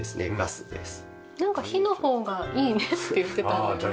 なんか火の方がいいねって言ってたんだよね。